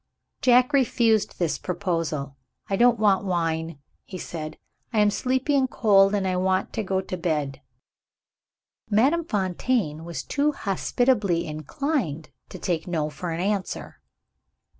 Jack refused this proposal. "I don't want wine," he said; "I am sleepy and cold I want to go to bed." Madame Fontaine was too hospitably inclined to take No for an answer.